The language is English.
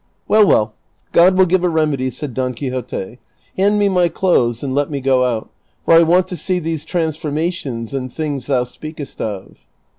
" Well, well, God will give a remedy," said Don Qui xote ;" hand me my clothes and let me go out, for I want to see these transformations and things thou speakest of."